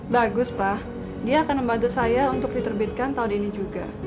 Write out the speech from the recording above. bagus pak dia akan membantu saya untuk diterbitkan tahun ini juga